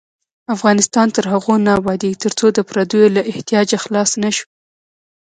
افغانستان تر هغو نه ابادیږي، ترڅو د پردیو له احتیاجه خلاص نشو.